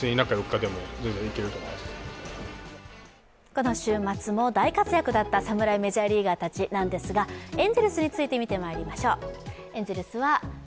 この週末も大活躍だった侍メジャーリーガーたちですがエンゼルスについて見てまいりましょう。